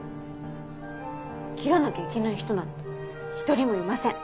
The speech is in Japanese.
切らなきゃいけない人なんて一人もいません。